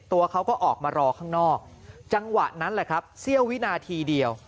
ตัวเขาก็ออกมารอข้างนอกจังหวะนั้นแหละครับเสี้ยววินาทีเดียว